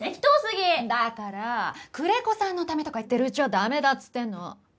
だから久連木さんのためとか言ってるうちはダメだっつってんの。